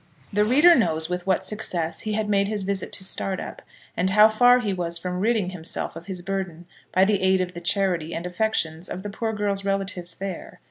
The reader knows with what success he had made his visit to Startup, and how far he was from ridding himself of his burden by the aid of the charity and affections of the poor girl's relatives there.